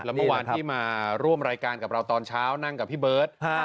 แล้วเมื่อวานที่มาร่วมรายการกับเราตอนเช้านั่งกับพี่เบิร์ต